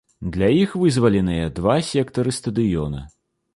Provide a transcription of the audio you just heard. Для іх вызваленыя два сектары стадыёна.